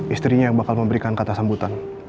istrinya yang bakal memberikan kata sambutan